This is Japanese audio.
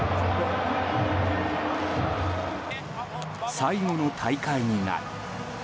最後の大会になる。